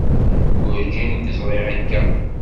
Werǧin i k-ẓriɣ akka.